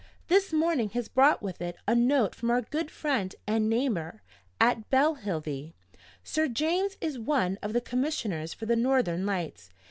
This morning has brought with it a note from our good friend and neighbor at Belhelvie. Sir James is one of the commissioners for the Northern Lights.